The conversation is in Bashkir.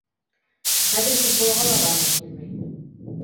Хәҙер футболға ла барғы килмәй...